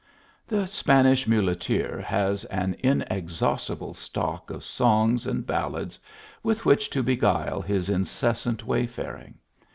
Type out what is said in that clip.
The Spanish muleteer has an inexhaustible stock of songs and ballads, with which to beguile his in cessant way faring.